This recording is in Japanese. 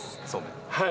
はい。